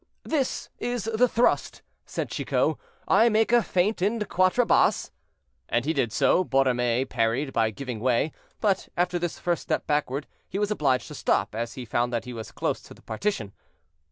"This is the thrust," said Chicot; "I make a feint in quartrebasse." And he did so; Borromée parried by giving way; but, after this first step backward he was obliged to stop, as he found that he was close to the partition.